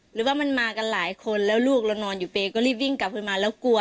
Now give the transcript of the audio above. หรือว่ามันมากันหลายคนแล้วลูกเรานอนอยู่เปย์ก็รีบวิ่งกลับขึ้นมาแล้วกลัว